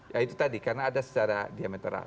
ya itu tadi karena ada secara diametral